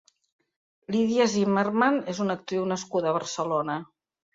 Lydia Zimmermann és una actriu nascuda a Barcelona.